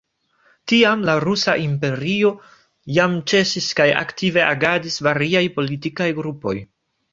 Tiam la Rusa Imperio jam ĉesis kaj aktive agadis variaj politikaj grupoj.